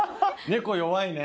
猫弱いね。